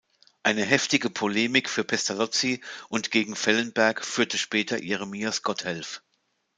Eine heftige Polemik für Pestalozzi und gegen Fellenberg führte später Jeremias Gotthelf.